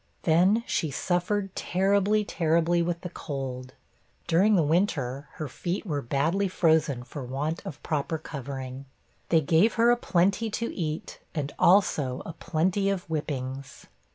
Then she suffered 'terribly terribly ', with the cold. During the winter her feet were badly frozen, for want of proper covering. They gave her a plenty to eat, and also a plenty of whippings.